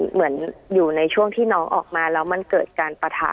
เหมือนอยู่ในช่วงที่น้องออกมาแล้วมันเกิดการปะทะ